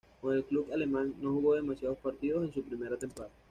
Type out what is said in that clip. Con el club alemán no jugó demasiados partidos en su primera temporada.